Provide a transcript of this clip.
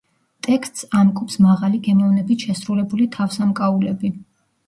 ტექსტს ამკობს მაღალი გემოვნებით შესრულებული თავსამკაულები.